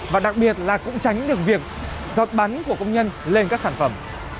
và đặc biệt là cũng tránh được việc giọt bắn của công nhân lên các sản phẩm